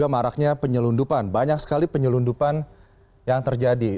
maraknya penyelundupan banyak sekali penyelundupan yang terjadi